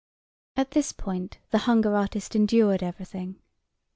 At this point, the hunger artist endured everything.